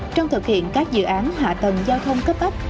trong thực hiện các dự án hạ tầng giao thông cấp ấp